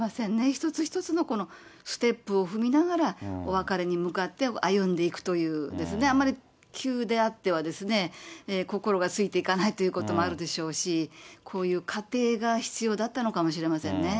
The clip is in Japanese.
一つ一つのステップを踏みながら、お別れに向かって歩んでいくというですね、あまり急であっては、心がついていかないということもあるでしょうし、こういう過程が必要だったのかもしれませんね。